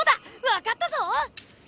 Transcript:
わかったぞ！